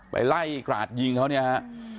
ไปไล่กราดยิงเขาเนี่ยฮะ